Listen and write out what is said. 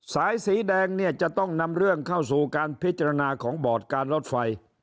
สายสีแดงเนี่ยจะต้องนำเรื่องเข้าสู่การพิจารณาของบอร์ดการรถไฟ